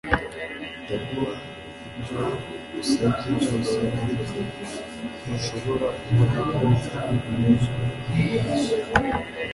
Ndaguha ibyo usabye byose ariko ntushobora kubona ko unyuzwe